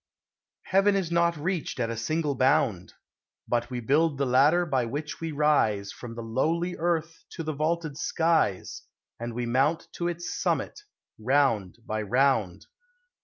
Heaven is not reached at a single bound; But we build the ladder by which we rise From the lowly earth to the vaulted skies, And we mount to its summit, round by round.